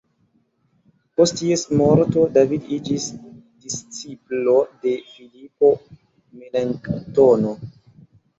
Post ties morto David iĝis disĉiplo de Filipo Melanktono.